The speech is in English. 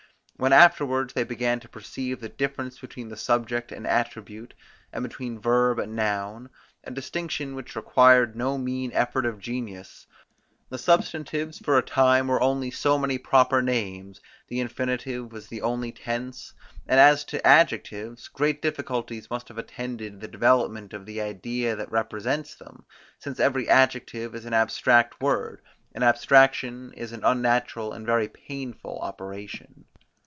When afterwards they began to perceive the difference between the subject and attribute, and between verb and noun, a distinction which required no mean effort of genius, the substantives for a time were only so many proper names, the infinitive was the only tense, and as to adjectives, great difficulties must have attended the development of the idea that represents them, since every adjective is an abstract word, and abstraction is an unnatural and very painful operation.